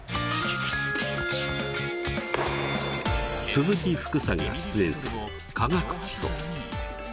鈴木福さんが出演する「化学基礎」。